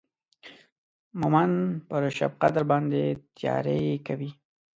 مهمند پر شبقدر باندې تیاری کوي.